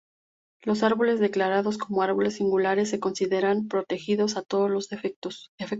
Los árboles declarados como árboles singulares se considerarán protegidos a todos los efectos.